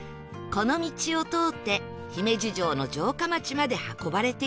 この道を通って姫路城の城下町まで運ばれていたんだそう